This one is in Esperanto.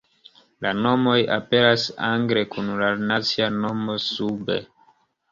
La nomoj aperas angle kun la nacia nomo sube.